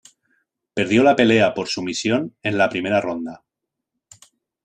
Perdió la pelea por sumisión en la primera ronda.